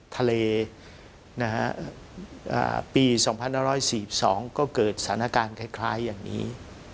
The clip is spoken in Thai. ทะเลปี๒๑๔๒ก็เกิดสถานการณ์คล้ายอย่างนี้